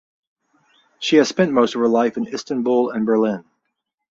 She has spent most of her life in Istanbul and Berlin.